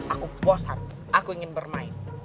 aku bosan aku ingin bermain